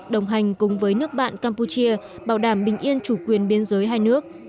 đồng hành cùng với nước bạn campuchia bảo đảm bình yên chủ quyền biên giới hai nước